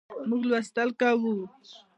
موږ لوستل کوو